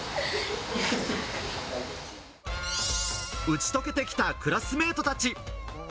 うち解けてきたクラスメートたち。